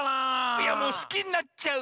いやもうすきになっちゃう。